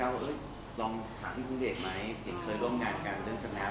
เราเลยรู้สึกว่าพี่โฮล์เคยร่วมงานกับแวนน้องถามได้ไหม